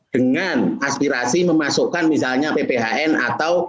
dengan aspirasi memasukkan misalnya pphn atau